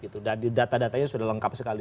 data datanya sudah lengkap sekali